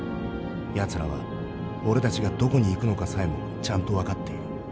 やつらは俺たちがどこに行くのかさえもちゃんと分かっている。